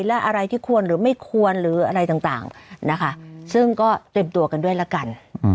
และอะไรที่ควรหรือไม่ควรหรืออะไรต่างนะคะซึ่งก็เตรียมตัวกันด้วยละกัน